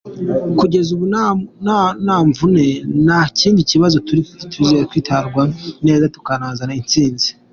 Kugeza ubu nta mvune, nta kindi kibazo, turizera kwitwara neza, tukazana intsinzi.